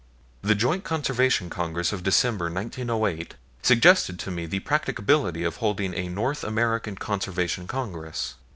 The Joint Conservation Conference of December, 1908, suggested to me the practicability of holding a North American Conservation Conference.